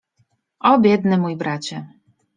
— O, biedny mój bracie!